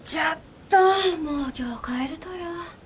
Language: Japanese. どんもう今日帰るとよ